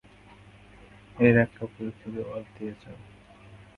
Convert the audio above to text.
এর একটা উপযুক্ত জবাব দিয়ে যাও।